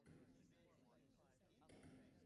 He is interred in Mount Maria Cemetery of Towson.